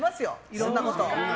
いろんなこと。